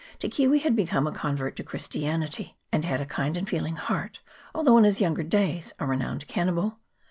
Te Kiwi had become a convert to Christianity, and had a kind and feeling heart, although in his younger days a renowned cannibal.